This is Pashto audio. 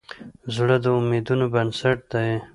زړه د امیدونو بنسټ دی.